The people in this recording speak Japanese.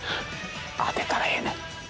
当てたらええねん